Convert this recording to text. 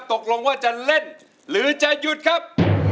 ตกลงว่าจะเล่นหรือจะหยุดครับ